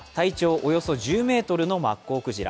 およそ１０ｍのマッコウクジラ。